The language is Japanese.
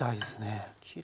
きれい。